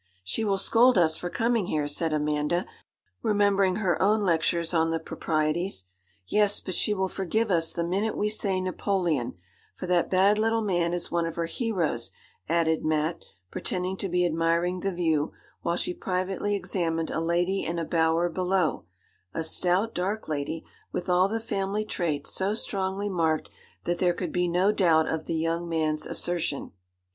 'She will scold us for coming here,' said Amanda, remembering her own lectures on the proprieties. 'Yes; but she will forgive us the minute we say Napoleon, for that bad little man is one of her heroes,' added Mat, pretending to be admiring the view, while she privately examined a lady in a bower below a stout, dark lady, with all the family traits so strongly marked that there could be no doubt of the young man's assertion.